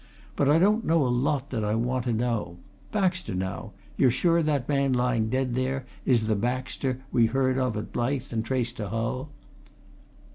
But I don't know a lot that I want to know, Baxter, now you're sure that man lying dead there is the Baxter we heard of at Blyth and traced to Hull?"